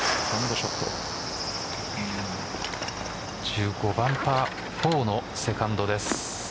１５番パー４のセカンドです。